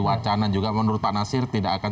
wacana juga menurut pak nasir tidak akan